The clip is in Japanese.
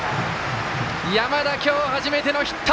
山田、今日初めてのヒット！